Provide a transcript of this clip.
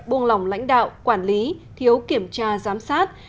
buông lỏng lãnh đạo quản lý thiếu kiểm tra giám sát